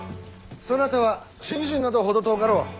そなたは信心など程遠かろう。